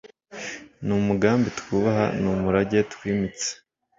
Ni umugambi twubaha, ni umurage twimitse